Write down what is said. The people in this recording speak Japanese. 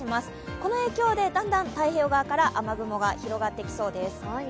この影響でだんだん太平洋側から雨雲が広がってきそうです。